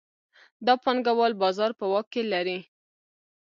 دا پانګوال بازار په واک کې لري